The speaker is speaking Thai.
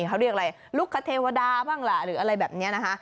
เขาเรียกอะไรลูกคเทวดาบ้างล่ะหรืออะไรแบบนี้นะคะ